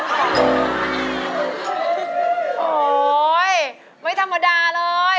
โหไม่ธรรมดาเลย